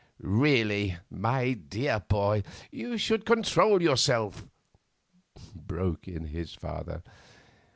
"Really, my dear boy, you should control yourself," broke in his father.